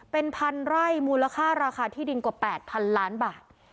เป็นพันไร่มูลค่าราคาที่ดินกว่า๘๐๐๐ล้านบาท